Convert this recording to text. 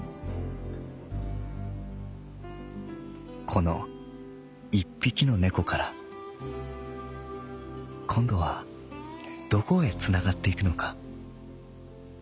「この一匹の猫からこんどはどこへつながっていくのか。